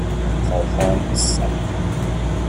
Frau Horn ist sauer.